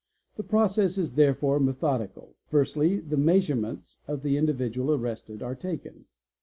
The process is therefore methodical. E _ Firstly the measurements of the individual arrested are taken.